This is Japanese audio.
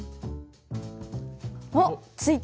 あっついた。